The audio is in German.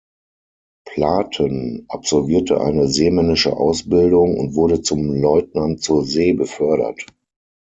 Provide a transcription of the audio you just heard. Platen absolvierte eine seemännische Ausbildung und wurde zum Leutnant zur See befördert.